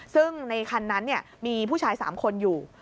ซึ่งในคันนั้นมีผู้ชาย๓คนอยู่